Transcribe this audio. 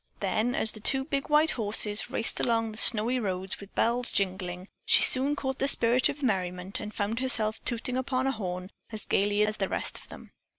Then, as the two big white horses raced along the snowy road with bells jingling, she soon caught the spirit of merriment and found herself tooting upon a horn as gayly as the rest of them.